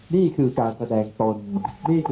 และการแสดงสมบัติของแคนดิเดตนายกนะครับ